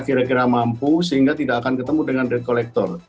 kira kira mampu sehingga tidak akan ketemu dengan debt collector